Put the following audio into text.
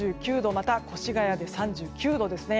また、越谷で３９度ですね。